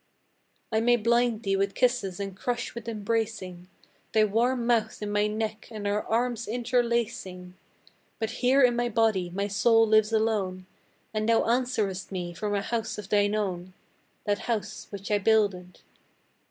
I may blind thee with kisses and crush with embracing, Thy warm mouth in my neck and our arms interlacing; But here in my body my soul lives alone, And thou answerest me from a house of thine own That house which I builded!